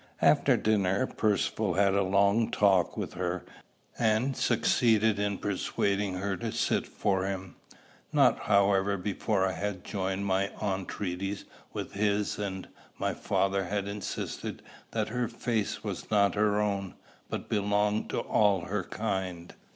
After dinner Percivale had a long talk with her, and succeeded in persuading her to sit to him; not, however, before I had joined my entreaties with his, and my father had insisted that her face was not her own, but belonged to all her kind.